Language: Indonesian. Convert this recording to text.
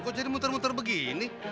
kok jadi muter muter begini